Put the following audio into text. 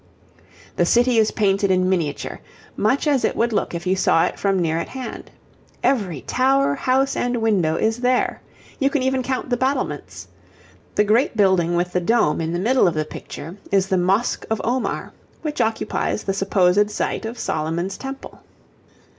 The city is painted in miniature, much as it would look if you saw it from near at hand. Every tower, house, and window is there. You can even count the battlements. The great building with the dome in the middle of the picture, is the Mosque of Omar, which occupies the supposed site of Solomon's Temple.